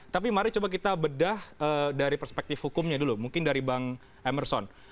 tapi mari coba kita bedah dari perspektif hukumnya dulu mungkin dari bang emerson